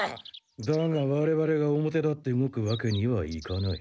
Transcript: だがワレワレが表立って動くわけにはいかない。